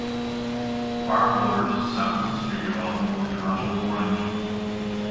Firewater's seventh studio album, International Orange!